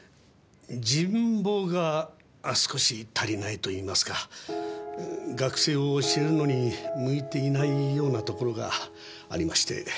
人望が少し足りないといいますか学生を教えるのに向いていないようなところがありまして。